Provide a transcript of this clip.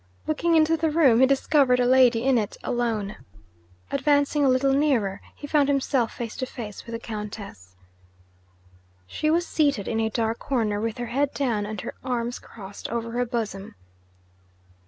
Looking into the room, he discovered a lady in it alone. Advancing a little nearer, he found himself face to face with the Countess. She was seated in a dark corner, with her head down and her arms crossed over her bosom.